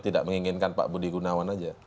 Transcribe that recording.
tidak menginginkan pak budi gunawan saja